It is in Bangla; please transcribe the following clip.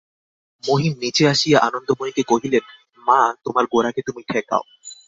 মহিম নীচে আসিয়া আনন্দময়ীকে কহিলেন, মা, তোমার গোরাকে তুমি ঠেকাও।